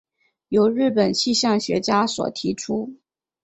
由日本气象学家所提出。